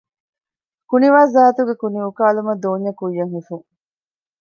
ކުނިވާޒާތުގެ ކުނިއުކާލުމަށް ދޯންޏެއް ކުއްޔަށް ހިފުން